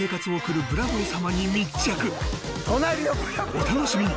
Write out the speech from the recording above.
お楽しみに！